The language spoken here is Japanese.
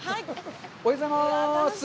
おはようございます。